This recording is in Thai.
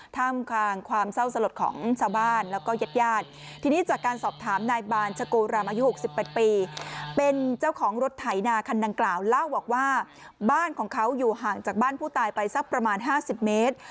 ท่ามกลางความเศร้าสลดของชาวบ้านแล้วก็ญาติญาติทีนี้จากการสอบถามนายบานชโกรำอายุ๖๘ปีเป็นเจ้าของรถไถนาคันดังกล่าวเล่าบอกว่าบ้านของเขาอยู่ห่างจากบ้านผู้ตายไปสักประมาณ๕๐เมตร